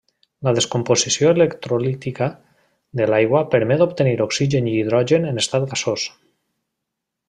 La descomposició electrolítica de l'aigua permet d'obtenir oxigen i hidrogen en estat gasós.